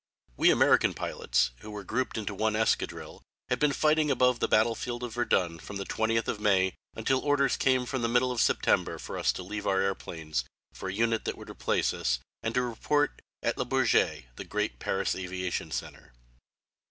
We American pilots, who are grouped into one escadrille, had been fighting above the battlefield of Verdun from the 20th of May until orders came the middle of September for us to leave our airplanes, for a unit that would replace us, and to report at Le Bourget, the great Paris aviation centre.